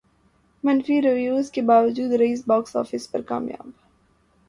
منفی ریویوز کے باوجود ریس باکس افس پر کامیاب